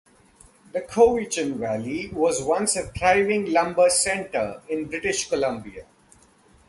The Cowichan Valley was once a thriving lumber centre in British Columbia.